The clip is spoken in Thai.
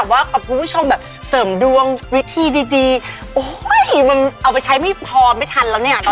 ลองแบบเสริมดวงวิธีดีโอ๊ยมันเอาไปใช้ไม่พอไม่ทันแล้วเนี้ยตอนนี้